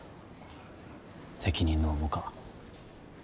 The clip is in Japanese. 責任の重か。